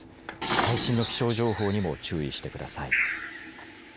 最新の気象情報にも注意してください。